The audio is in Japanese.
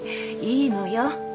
いいのよ。